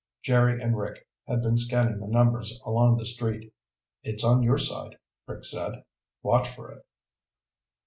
Jerry and Rick had been scanning the numbers along the street. "It's on your side," Rick said. "Watch for it."